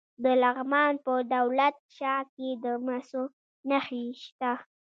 د لغمان په دولت شاه کې د مسو نښې شته.